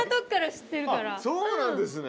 あっそうなんですね。